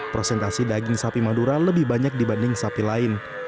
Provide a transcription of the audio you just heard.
prosentasi daging sapi madura lebih banyak dibanding sapi lain